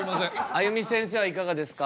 あゆみせんせいはいかがですか？